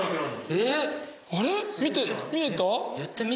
えっ！？